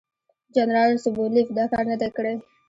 جنرال سوبولیف دا کار نه دی کړی.